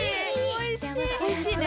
おいしいね！